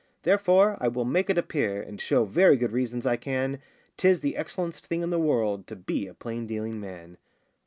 Therefore I will make it appear, And show very good reasons I can, 'Tis the excellen'st thing in the world To be a plain dealing man.